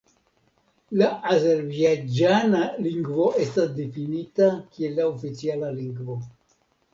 La azerbajĝana lingvo estas difinita kiel la oficiala lingvo.